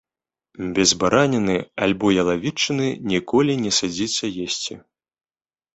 Без бараніны альбо ялавічыны ніколі не садзіцца есці.